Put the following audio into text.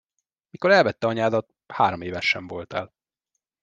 Mikor elvette anyádat, hároméves sem voltál.